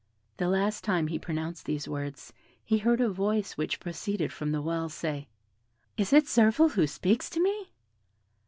The last time he pronounced these words, he heard a voice which proceeded from the well say, "Is it Zirphil who speaks to me?"